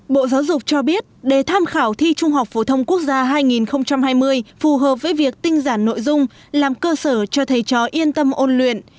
bộ giáo dục cho biết để tham khảo thi trung học phổ thông quốc gia hai nghìn hai mươi phù hợp với việc tinh giản nội dung làm cơ sở cho thầy trò yên tâm ôn luyện